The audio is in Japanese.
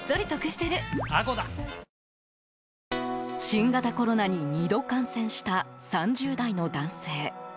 新型コロナに２度感染した３０代の男性。